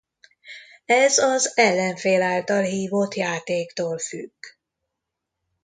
Ez az ellenfél által hívott játéktól függ.